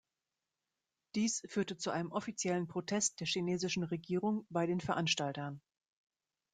Dies führte zu einem offiziellen Protest der chinesischen Regierung bei den Veranstaltern.